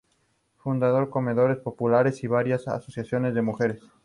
Fundó comedores populares y varias asociaciones de mujeres.